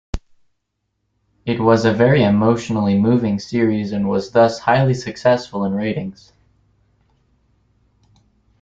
It was a very emotionally moving series and was thus highly successful in ratings.